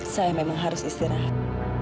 saya memang harus istirahat